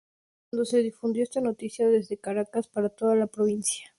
Cuando se difundió esta noticia desde Caracas para toda la provincia, estalló la protesta.